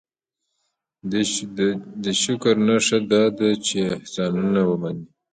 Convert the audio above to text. دې شکر نښه دا ده چې احسانونه ومني.